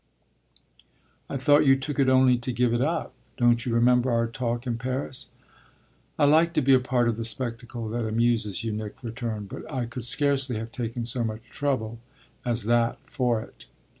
"I thought you took it only to give it up. Don't you remember our talk in Paris?" "I like to be a part of the spectacle that amuses you," Nick returned, "but I could scarcely have taken so much trouble as that for it."